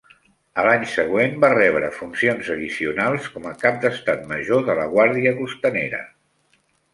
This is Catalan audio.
A l'any següent, va rebre funcions addicionals com a Cap d'Estat Major de la Guàrdia costanera.